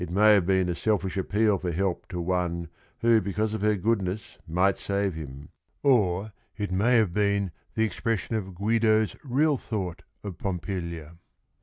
It may have been a selfish appeal for help to one who because of her goodness might save him, or it may have been the expression of Guido's real thought of Pompilia.